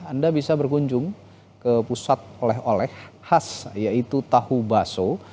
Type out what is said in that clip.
anda bisa berkunjung ke pusat oleh oleh khas yaitu tahu baso